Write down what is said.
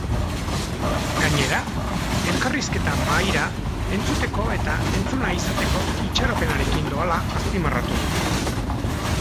Gainera, elkarrizketa mahaira entzuteko eta entzuna izateko itxaropenarekin doala azpimarratu du.